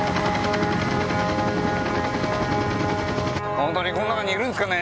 ホントにこん中にいるんすかね